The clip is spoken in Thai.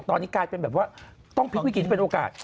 ตอนนี้กลายเป็นแบบว่าต้องพลิกวิกฤตที่เป็นโอกาส